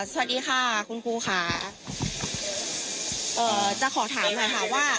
สวัสดีค่ะคุณครูค่ะเอ่อจะขอถามหน่อยค่ะว่า